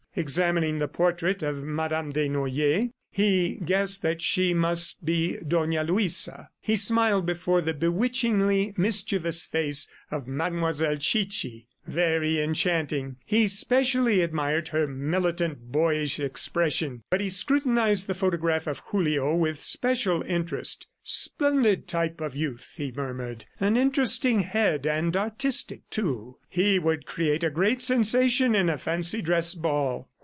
Examining the portrait of Madame Desnoyers, he guessed that she must be Dona Luisa. He smiled before the bewitchingly mischievous face of Mademoiselle Chichi. Very enchanting; he specially admired her militant, boyish expression; but he scrutinized the photograph of Julio with special interest. "Splendid type of youth," he murmured. "An interesting head, and artistic, too. He would create a great sensation in a fancy dress ball.